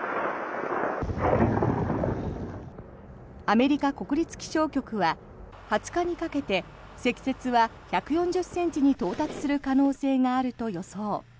アメリカ国立気象局は２０日にかけて積雪は１４０ｃｍに到達する可能性があると予想。